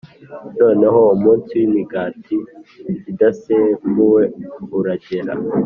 Noneho umunsi w imigati idasembuwe uragera